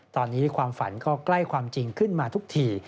ตอนนี้ความฝันก็ใกล้ความจริงขึ้นมาทุกที